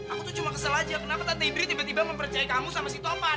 aku tuh cuma kesel aja kenapa tante bri tiba tiba mempercayai kamu sama si topan